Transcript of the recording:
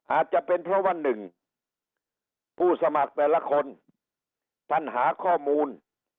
อาจจะเป็นเพราะว่าหนึ่งผู้สมัครแต่ละคนท่านหาข้อมูล